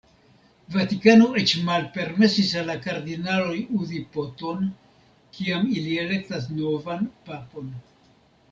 Vatikano eĉ malpermesis al la kardinaloj uzi po-ton, kiam ili elektas novan papon.